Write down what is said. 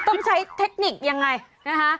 ต้องใช้เทคนิคยังไงนะคะ